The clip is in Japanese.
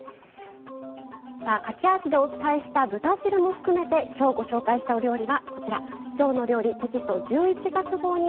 さあ駆け足でお伝えした豚汁も含めて今日ご紹介したお料理はこちら「きょうの料理」テキスト１１月号に載っています。